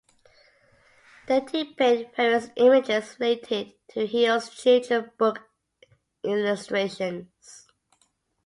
They depict various images related to Heo's children book illustrations.